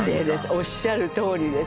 おっしゃるとおりです